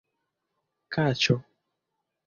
kaĉo